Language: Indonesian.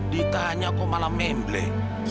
ditanya kok malah memblek